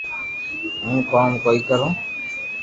ھون ڪوم ڪوئي ڪرو